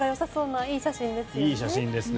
いい写真ですね。